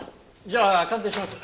じゃあ鑑定します。